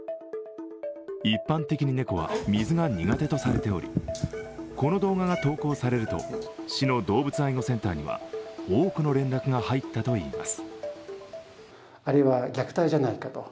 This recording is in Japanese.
一般的に猫は水が苦手とされておりこの動画が投稿されると、市の動物愛護センターには多くの連絡が入ったといいます。